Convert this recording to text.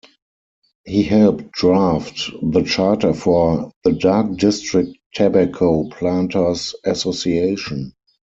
He helped draft the charter for the Dark District Tobacco Planters Association.